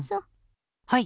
はい。